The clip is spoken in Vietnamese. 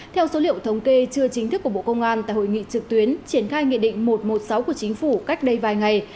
theo số liệu thống kê chưa chính thức của bộ công an tại hội nghị trực tuyến triển khai nghị định một trăm một mươi sáu của chính phủ cách đây vài ngày